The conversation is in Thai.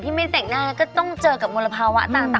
ไม่แต่งหน้าแล้วก็ต้องเจอกับมลภาวะต่าง